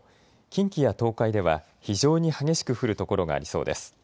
近畿や東海では非常に激しく降る所がありそうです。